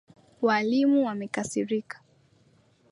Walimu wamekasirika.